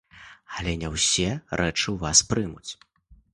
Але не ўсе рэчы ў вас прымуць.